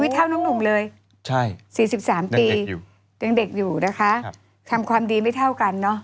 เท่าน้องหนุ่มเลย๔๓ปียังเด็กอยู่นะคะทำความดีไม่เท่ากันเนอะ